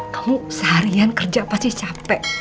kamu seharian kerja pasti capek